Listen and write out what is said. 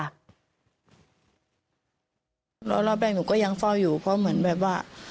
แล้วรอบแรกหนูก็ยังเฝ้าอยู่เพราะเหมือนแบบว่า